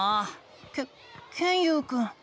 ケケンユウくん。